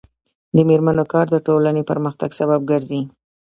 د میرمنو کار د ټولنې پرمختګ سبب ګرځي.